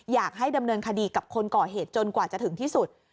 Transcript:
อยากให้ดำเนินคดีกับคนก่อเหตุจนกว่าจะถึงที่สุด